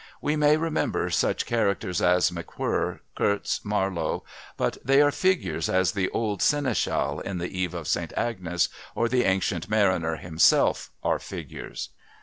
We may remember such characters as McWhirr, Kurtz, Marlowe, but they are figures as the old seneschal in The Eve of St Agnes or the Ancient Mariner himself are figures.